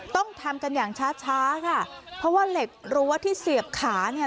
ต้องทำกันอย่างช้าช้าค่ะเพราะว่าเหล็กรั้วที่เสียบขาเนี่ย